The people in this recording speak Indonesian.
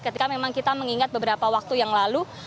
ketika memang kita mengingat beberapa waktu yang lalu